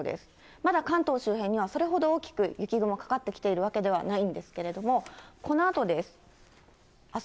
まだ関東周辺にはそれほど大きく雪雲かかってきているわけではないんですけれども、このあとです。